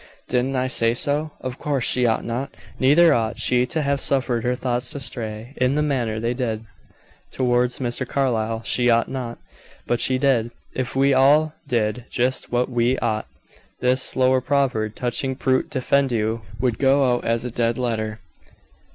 Didn't I say so? Of course she ought not. Neither ought she to have suffered her thoughts to stray, in the manner they did, towards Mr. Carlyle. She ought not, but she did. If we all did just what we "ought," this lower proverb touching fruit defendu would go out as a dead letter.